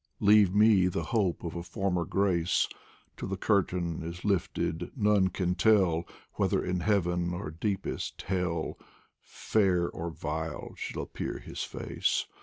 Leave me the hope of a former grace Till the curtain is lifted none can tell Whether in Heaven or deepest Hell, Fair or vile, shall appear his face.